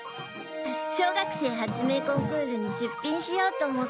小学生発明コンクールに出品しようと思って。